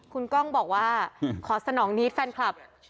คุณก้องบอกว่าขอสนองนี้แฟนคลับ